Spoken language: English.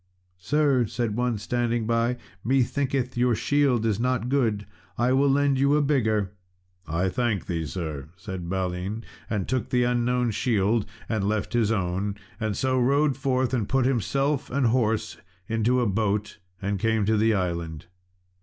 "Sir," said one standing by, "methinketh your shield is not good; I will lend you a bigger." "I thank thee, sir," said Balin, and took the unknown shield and left his own, and so rode forth, and put himself and horse into a boat and came to the island.